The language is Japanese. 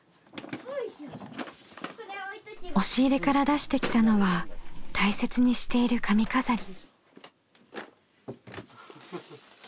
押し入れから出してきたのは大切にしている髪飾り。